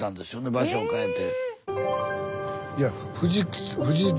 場所を変えて。